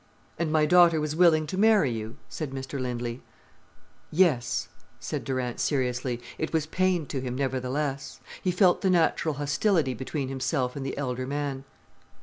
"And my daughter was willing to marry you?" said Mr Lindley. "Yes," said Durant seriously. It was pain to him, nevertheless. He felt the natural hostility between himself and the elder man.